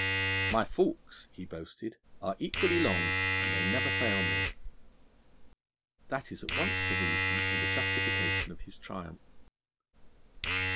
'My forks,' he boasted, 'are equally long, and they never fail me.' That is at once the reason and the justification of his triumph.